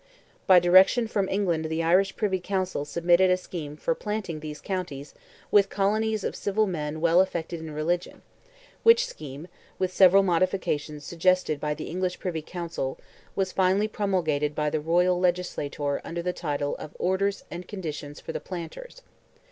By direction from England the Irish Privy Council submitted a scheme for planting these counties "with colonies of civil men well affected in religion," which scheme, with several modifications suggested by the English Privy Council, was finally promulgated by the royal legislator under the title of "Orders and Conditions for the Planters."